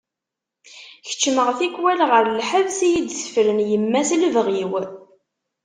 Keččmeɣ tikwal deg lḥebs iyi-d-tefren yemma s lebɣi-w.